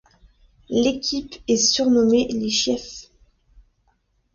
L’équipe est surnommée les Chiefs.